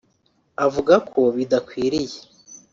avuga ko bidakwiye